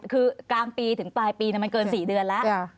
คือกลางปีถึงปลายปีมันเกิน๔เดือนแล้ว